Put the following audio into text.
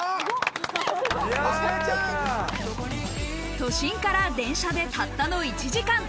都心から電車でたったの１時間。